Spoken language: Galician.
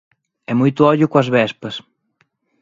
E moito ollo coas vespas.